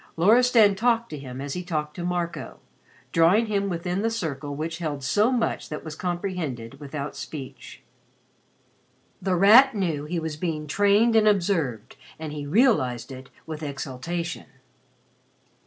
Loristan talked to him as he talked to Marco, drawing him within the circle which held so much that was comprehended without speech. The Rat knew that he was being trained and observed and he realized it with exaltation.